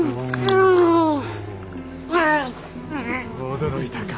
驚いたか。